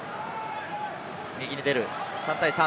右に出る、３対３。